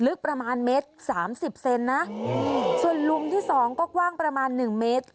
ลึกประมาณเมตรสามสิบเซนนะส่วนลุมที่สองก็กว้างประมาณหนึ่งเมตร